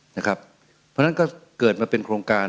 เพราะฉะนั้นก็เกิดมาเป็นโครงการ